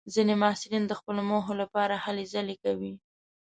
ځینې محصلین د خپلو موخو لپاره هلې ځلې کوي.